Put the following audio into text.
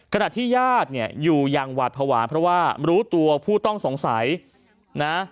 ขณะที่ญาติเนี่ยอยู่อย่างหวาดภาวะเพราะว่ารู้ตัวผู้ต้องสงสัยนะ